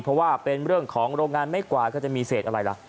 เพราะว่าเป็นเรื่องของโรงงานไม่กว่าก็จะมีเศษอะไรล่ะ